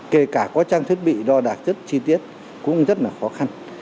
kể cả có trang thiết bị đo đạc rất chi tiết cũng rất là khó khăn